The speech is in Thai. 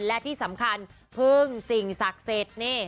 และที่สำคัญเพิ่งสิ่งศักดิ์เสร็จนี่